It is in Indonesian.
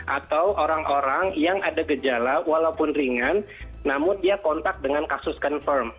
atau orang orang yang ada gejala walaupun ringan namun dia kontak dengan kasus confirm